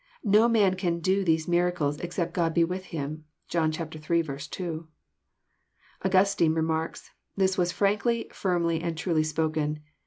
<* No man can do these miracles except God be with him. (John ilL 2.) Augustine remarks: "This was frankly, firmly, and truly spoken.